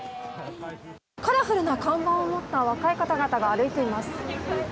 カラフルな看板を持った若い方々が歩いています。